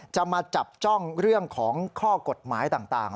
มาจับจ้องเรื่องของข้อกฎหมายต่าง